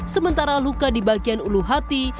sementara luka di bagian ulu hati